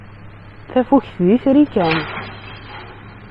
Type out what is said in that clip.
Tafukt d itri kan.